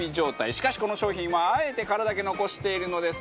しかし、この商品は、あえて殻だけ残しているのです。